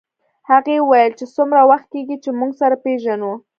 هغې وویل چې څومره وخت کېږي چې موږ سره پېژنو